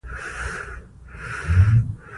مزارشریف د افغان نجونو د پرمختګ لپاره فرصتونه برابروي.